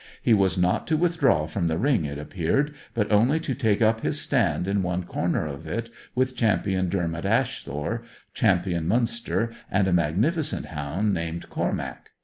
He was not to withdraw from the ring, it appeared, but only to take up his stand in one corner of it with Champion Dermot Asthore, Champion Munster, and a magnificent hound named Cormac.